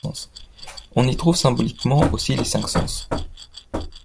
On y trouve symboliquement aussi les cinq sens.